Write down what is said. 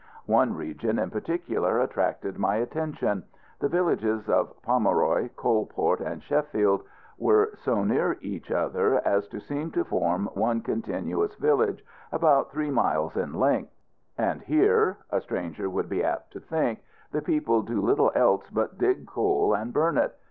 One region in particular attracted my attention. The villages of Pomeroy, Coalport, and Sheffield, were so near each other as to seem to form one continuous village, about three miles in length. And here, a stranger would be apt to think, the people do little else but dig coal and burn it.